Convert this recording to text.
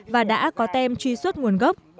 và đã có tem truy xuất nguồn gốc